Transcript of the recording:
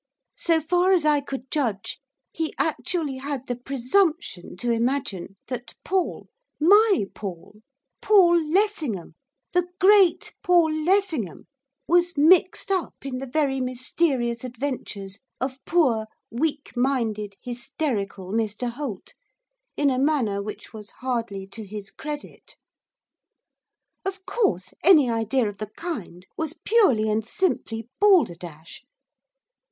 So far as I could judge, he actually had the presumption to imagine that Paul my Paul! Paul Lessingham! the great Paul Lessingham! was mixed up in the very mysterious adventures of poor, weak minded, hysterical Mr Holt, in a manner which was hardly to his credit. Of course, any idea of the kind was purely and simply balderdash.